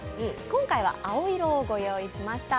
今回は青色をご用意しました。